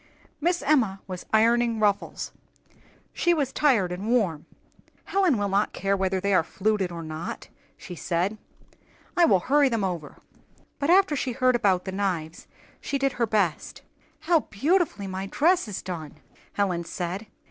Miss Emma was ironing ruffles; she was tired and warm. "Helen will not care whether they are fluted or not," she said. "I will hurry them over." But after she heard about the knives, she did her best. "How beautifully my dress is done!" Helen said.